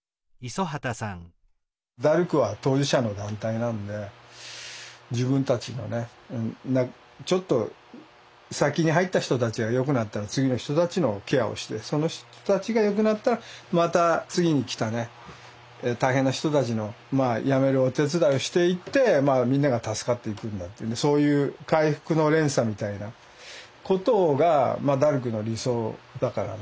ダルクは当事者の団体なんで自分たちのねちょっと先に入った人たちがよくなったら次の人たちのケアをしてその人たちがよくなったらまた次に来たね大変な人たちのやめるお手伝いをしていってみんなが助かっていくんだっていうそういう回復の連鎖みたいなことがダルクの理想だからね。